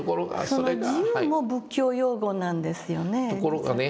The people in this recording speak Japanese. その自由も仏教用語なんですよね実は。